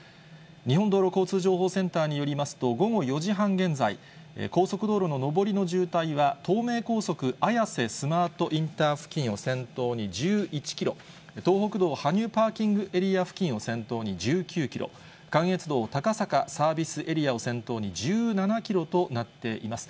日本道路交通情報センターによりますと、午後４時半現在、高速道路の上りの渋滞は、東名高速綾瀬スマートインター付近を先頭に１１キロ、東北道羽生パーキングエリア付近を先頭に１９キロ、関越道高坂サービスエリアを先頭に１７キロとなっています。